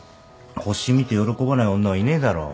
星見て喜ばない女はいねえだろ。